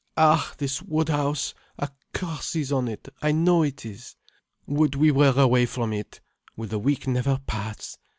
Ah, this Woodhouse, a curse is on it, I know it is. Would we were away from it. Will the week never pass?